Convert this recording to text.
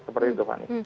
seperti itu fani